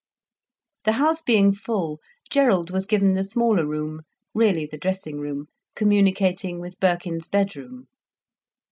The house being full, Gerald was given the smaller room, really the dressing room, communicating with Birkin's bedroom.